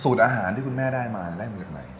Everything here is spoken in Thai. สูตรอาหารที่คุณแม่ได้มาได้มีอะไร